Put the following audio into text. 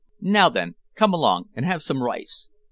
Now then, come along and have some rice."